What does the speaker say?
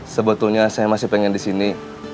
sebetulnya saya masih pengen disini